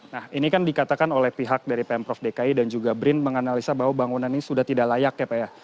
nah ini kan dikatakan oleh pihak dari pemprov dki dan juga brin menganalisa bahwa bangunan ini sudah tidak layak ya pak ya